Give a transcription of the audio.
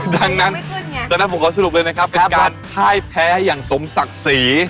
ดังนั้นตอนนั้นผมขอสรุปเลยนะครับเป็นการพ่ายแพ้อย่างสมศักดิ์ศรี